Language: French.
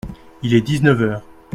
Il est dix-neuf heures.